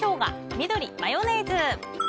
緑、マヨネーズ。